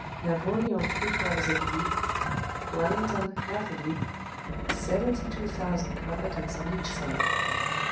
Napoleon three quarters of a league; Wellington, half a league; seventy two thousand combatants on each side.